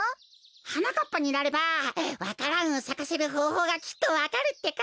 はなかっぱになればわか蘭をさかせるほうほうがきっとわかるってか。